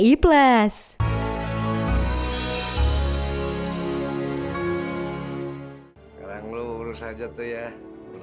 yuk kamu senang kan kalau aku dekat kayak gini